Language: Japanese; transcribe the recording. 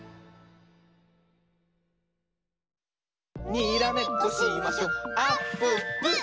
にらめっこしましょあっぷっぷ！